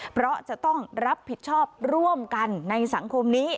เพราะจะต้องรับผิดชอบร่วมกันในสังคมนี้